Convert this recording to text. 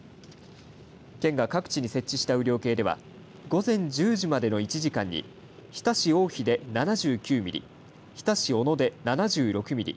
県が各地に設置した雨量計では午前１０時までの１時間に日田市大肥で７９ミリ日田市小野で７６ミリ